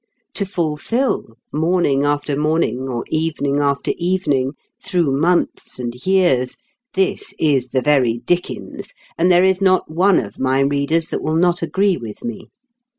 To fulfil, morning after morning, or evening after evening, through months and years this is the very dickens, and there is not one of my readers that will not agree with me.